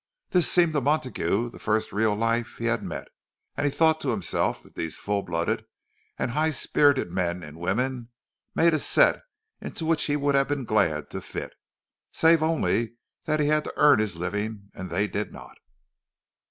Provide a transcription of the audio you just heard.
This seemed to Montague the first real life he had met, and he thought to himself that these full blooded and high spirited men and women made a "set" into which he would have been glad to fit—save only that he had to earn his living, and they did not.